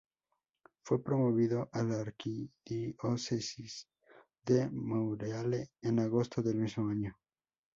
Fue promovido a la arquidiócesis de Monreale en agosto del mismo año.